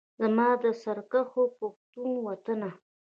زما د سرکښو پښتنو وطنه